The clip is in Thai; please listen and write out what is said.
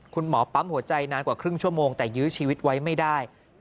คุณหมอปั๊มหัวใจนานกว่าครึ่งชั่วโมงแต่ยื้อชีวิตไว้ไม่ได้